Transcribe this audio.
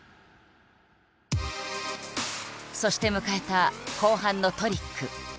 そして迎えた後半のトリック。